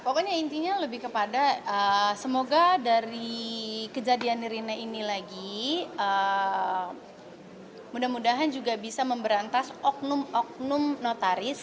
pokoknya intinya lebih kepada semoga dari kejadian nirine ini lagi mudah mudahan juga bisa memberantas oknum oknum notaris